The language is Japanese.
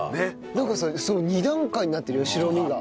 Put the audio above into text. なんかさ２段階になってるよ白身が。